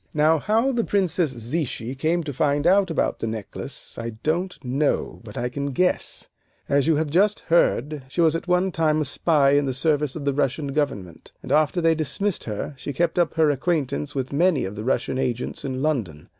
Now, how the Princess Zichy came to find out about the necklace I don't know, but I can guess. As you have just heard, she was at one time a spy in the service of the Russian government. And after they dismissed her she kept up her acquaintance with many of the Russian agents in London.